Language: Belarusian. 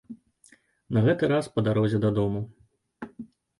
На гэты раз па дарозе дадому.